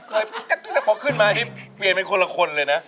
พอขึ้นมานี่เปลี่ยนเป็นคนละคนเลยนะ